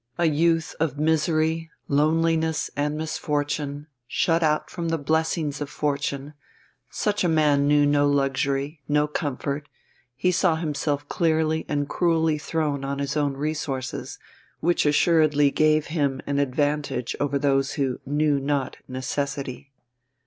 A youth of misery, loneliness, and misfortune, shut out from the blessings of fortune such a man knew no luxury, no comfort, he saw himself clearly and cruelly thrown on his own resources, which assuredly gave him an advantage over those who "knew not necessity."